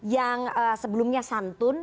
yang sebelumnya santun